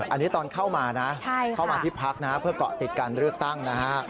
อันนี้ตอนเข้ามาที่พักเพื่อเกาะติดการเลือกตั้ง